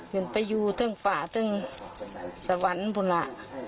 เป็นไปอยู่เท่าฝ่าเท่าสวรรค์คุณว่ะ